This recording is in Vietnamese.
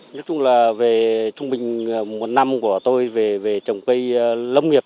nói chung là về trung bình một năm của tôi về trồng cây lâm nghiệp